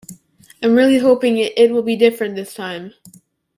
I'm really hoping it will be different this time.